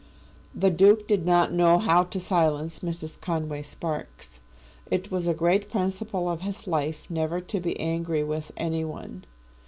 The Duke did not know how to silence Mrs. Conway Sparkes. It was a great principle of his life never to be angry with any one.